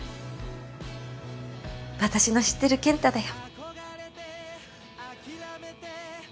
私の知ってる健太だよ。